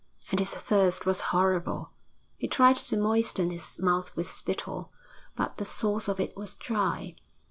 And his thirst was horrible; he tried to moisten his mouth with spittle, but the source of it was dry.